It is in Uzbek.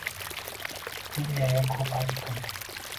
Dilyaga ko‘p aytdim.